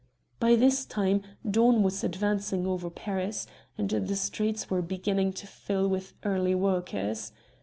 By this time dawn was advancing over Paris, and the streets were beginning to fill with early workers.